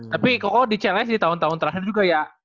tapi kok di challenge di tahun tahun terakhir juga ya